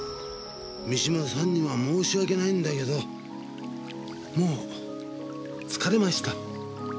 三島さんには申し訳ないんだけどもう疲れました。